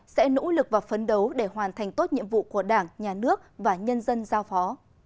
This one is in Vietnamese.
sẽ nỗ lực và phấn đấu để hoàn thành tốt nhiệm vụ của đảng nhà nước và nhân dân giao phó